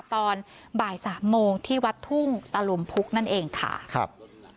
ตอนบ่ายสามโมงที่วัดทุ่งตะลุมพุกนั่นเองค่ะครับ